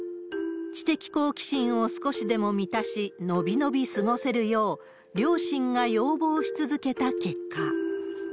知的好奇心を少しでも満たし、のびのび過ごせるよう、両親が要望し続けた結果。